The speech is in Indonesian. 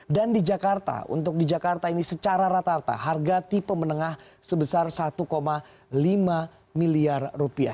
dan di jakarta untuk di jakarta ini secara rata rata harga tipe meningah sebesar satu lima miliar rupiah